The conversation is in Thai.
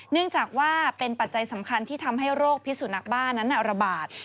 เนื่องจากว่าเป็นปัจจัยสำคัญที่ทำให้โรคพิสุนักบ้านั้นระบาด